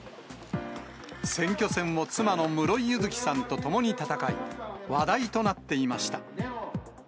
選挙戦を妻の室井佑月さんと共に戦い、話題となっていました。